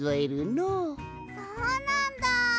そうなんだ。